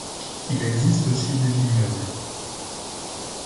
Il existe aussi des vignobles.